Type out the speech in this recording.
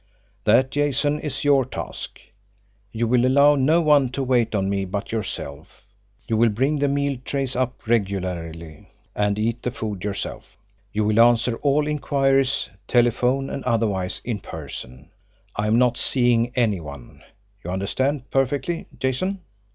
That, Jason, is your task. You will allow no one to wait on me but yourself; you will bring the meal trays up regularly and eat the food yourself. You will answer all inquiries, telephone and otherwise, in person I am not seeing any one. You understand perfectly, Jason?"